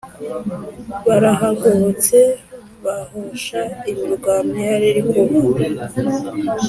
barahagobotse bahosha imirwano yariri kuba